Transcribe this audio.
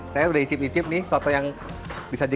saya udah icip icip nih soto yang disajikan dengan ini